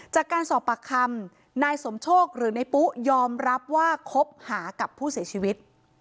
จากการสอบปากคำนายสมโชคหรือในปุ๊ยอมรับว่าคบหากับผู้เสียชีวิต